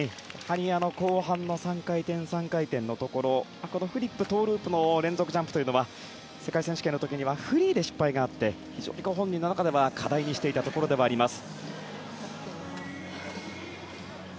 後半の３回転、３回転のところフリップ、トウループの連続ジャンプというのは世界選手権の時にはフリーで失敗があって非常に本人の中では課題にしていたところではあります。